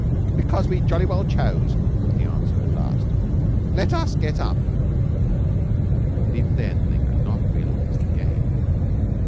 "Because we jolly well chose!" was the answer at last. "Let's get up." Even then they could not realize the game.